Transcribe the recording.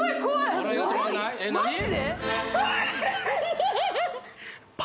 マジで？